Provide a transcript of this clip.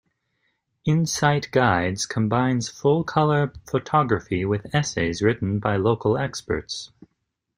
Insight Guides combines full-colour photography with essays written by local experts.